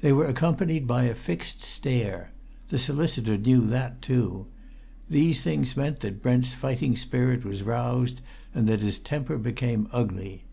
They were accompanied by a fixed stare the solicitor knew that too. These things meant that Brent's fighting spirit was roused and that his temper became ugly.